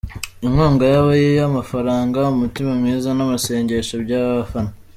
Inkunga yaba iyamafaranga, umutima mwiza namasengesho byabafana.